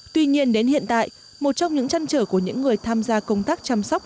tuy nhiên đến hiện tại một trong những trăn trở của những người tham gia công tác chăm sóc